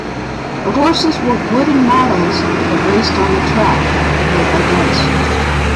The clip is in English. The "horses" were wooden models that raced on a track, controlled by dice.